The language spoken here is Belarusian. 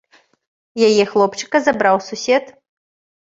Яе хлопчыка забраў сусед.